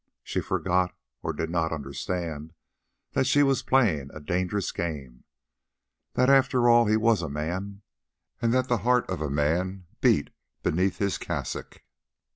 She forgot, or did not understand, that she was playing a dangerous game—that after all he was a man, and that the heart of a man beat beneath his cassock.